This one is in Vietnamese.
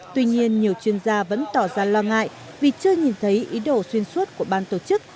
tuy nhiên nhiều chuyên gia vẫn tỏ ra lo ngại vì chưa nhìn thấy ý đồ xuyên suốt của ban tổ chức